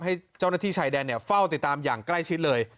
ให้เจ้าหน้าที่ชายแดนเฝ้าติดตามอย่างใกล้ชิดเลย